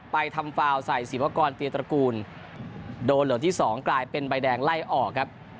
ไปทำฟาวใส่ศิวากรเปียตระกูลโดนเหลืองที่สองกลายเป็นใบแดงไล่ออกครับ